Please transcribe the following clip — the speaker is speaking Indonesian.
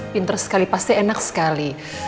pinter sekali pasti enak sekali